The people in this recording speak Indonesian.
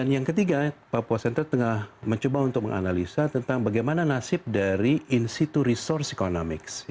dan yang ketiga papua center tengah mencoba untuk menganalisa tentang bagaimana nasib dari in situ resource economics